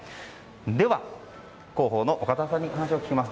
では、広報の岡澤さんにお話を聞きます。